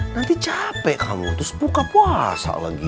nanti capek kamu terus buka puasa lagi